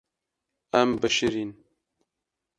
Em bişirîn.